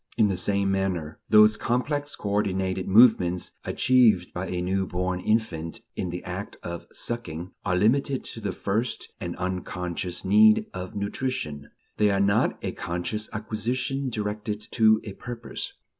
In the same manner, those complex coordinated movements achieved by a new born infant in the act of sucking, are limited to the first and unconscious need of nutrition; they are not a conscious acquisition directed to a purpose.